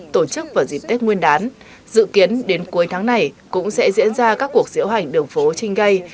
tổ chức vào dịp tết nguyên đán dự kiến đến cuối tháng này cũng sẽ diễn ra các cuộc diễu hành đường phố trinh gây